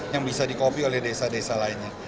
yang bisa di copy oleh desa desa lainnya